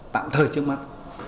tạm thời trước mặt